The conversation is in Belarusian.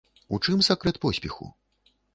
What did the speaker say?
У чым сакрэт поспеху?